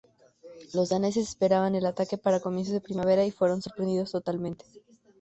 Los daneses esperaban el ataque para comienzos de primavera y fueron sorprendidos totalmente.